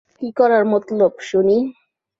কী করার মতলব শুনি?